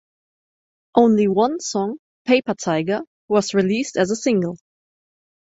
Only one song, "Paper Tiger", was released as a single.